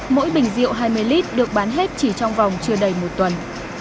mỗi bình rượu hai mươi lít được bán hết chỉ trong vòng chưa đầy một tuần